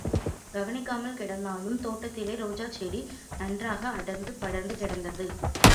கவனிக்காமல் கிடந்தாலும் தோட்டத்திலே ரோஜாச்செடி நன்றாக அடர்ந்து படர்ந்து கிடந்தது.